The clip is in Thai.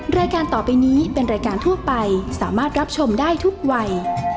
รายการต่อไปนี้เป็นรายการทั่วไปสามารถรับชมได้ทุกวัย